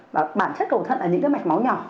và bản chất cầu thận là những cái mạch máu nhỏ